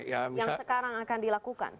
yang sekarang akan dilakukan